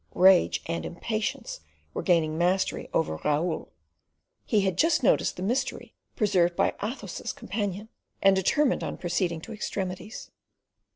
Rage and impatience were gaining mastery over Raoul. He had just noticed the mystery preserved by Athos's companion, and determined on proceeding to extremities.